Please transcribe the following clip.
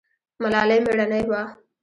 ملالۍ میړنۍ وه